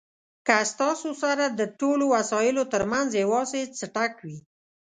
که ستاسو سره د ټولو وسایلو ترمنځ یوازې څټک وي.